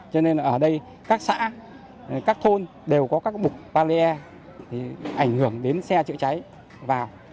cho nên ở đây các xã các thôn đều có các bục valire ảnh hưởng đến xe chữa cháy vào